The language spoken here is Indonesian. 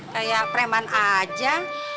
kayak preman ajang